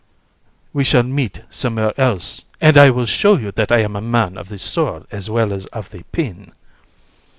THI. We shall meet somewhere else, and I will show you that I am a man of the sword as well as of the pen.